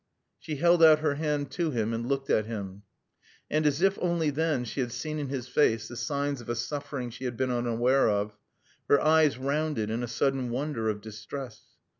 She held out her hand to him and looked at him. And as if only then she had seen in his face the signs of a suffering she had been unaware of, her eyes rounded in a sudden wonder of distress.